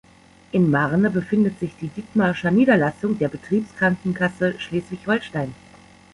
In Marne befindet sich die Dithmarscher Niederlassung der Betriebskrankenkasse Schleswig-Holstein.